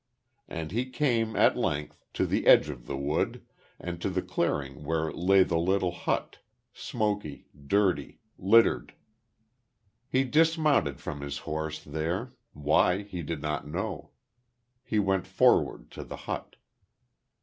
And he came, at length, to the edge of the wood, and to the clearing where lay the little hut, smoky, dirty, littered. He dismounted from his horse, there, why, he did not know. He went forward, to the hut.